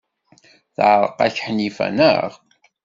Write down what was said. Teɛreq-ak Ḥnifa, naɣ?